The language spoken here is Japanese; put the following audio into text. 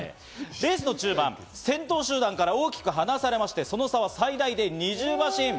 レースの中盤、先頭集団から大きく離され、その差は最大２０馬身。